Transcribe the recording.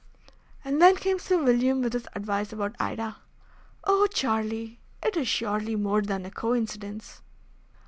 "And then came Sir William with his advice about Ida. Oh! Charlie, it is surely more than a coincidence!"